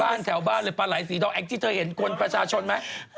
แถวบ้านเลยปลาไหลสีดอแองจี้เธอเห็นคนประชาชนไหม